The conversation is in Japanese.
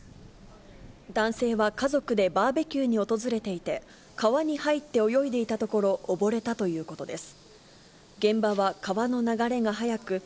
男性は家族でバーベキューに訪れていて、川に入って泳いでいたところ、溺れたということです。